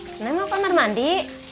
seneng apa nermandi